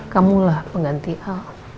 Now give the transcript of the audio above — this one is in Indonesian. kamu lah pengganti al